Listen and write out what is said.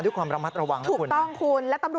นี่มันเป็นไงนี่มันเป็นไง